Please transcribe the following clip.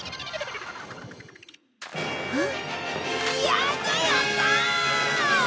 やったやった！